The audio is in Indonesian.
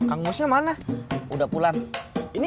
aku tak pernah melakukannya